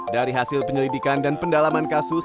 dari hasil penyelidikan dan pendalaman kasus